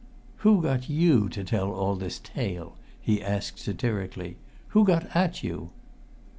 "Who got you to tell all this tale?" he asked satirically. "Who got at you?"